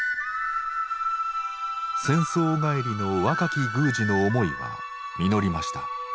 戦争帰りの若き宮司の思いは実りました。